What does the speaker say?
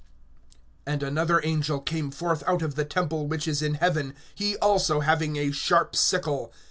(17)And another angel came forth out of the temple which is in heaven, he also having a sharp sickle.